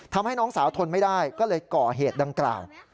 ทำให้น้องสาวทนไม่ได้ก็เลยก่อเหตุดังกล่าว